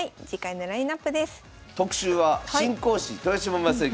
特集は「新講師・豊島将之」